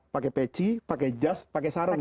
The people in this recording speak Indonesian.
pakai peci pakai jas pakai sarung